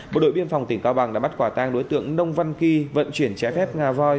bộ đội biên phòng tỉnh cao bằng đã bắt quả tang đối tượng nông văn ki vận chuyển trái phép ngà voi